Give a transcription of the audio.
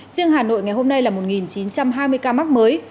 riêng hà nội ngày hôm nay là một chín trăm hai mươi ca mắc mới